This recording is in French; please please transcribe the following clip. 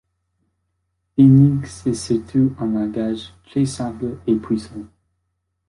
Fenix est surtout un langage très simple et puissant.